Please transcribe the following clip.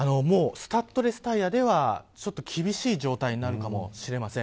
スタッドレスタイヤでは厳しい状態になるかもしれません。